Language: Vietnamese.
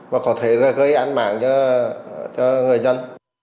và có thể gây án mạng cho người dân